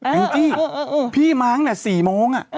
แองจี้พี่มาตั้งแต่๔โมง